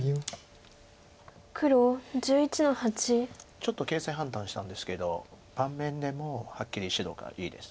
ちょっと形勢判断したんですけど盤面でもうはっきり白がいいです。